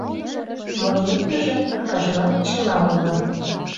Мо лиймыжым акажлан чыла ойла.